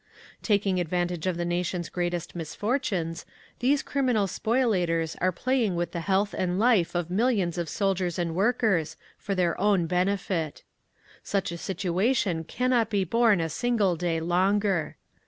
Taking advantage of the nation's greatest misfortunes, these criminal spoliators are playing with the health and life of millions of soldiers and workers, for their own benefit. Such a situation cannot be borne a single day longer.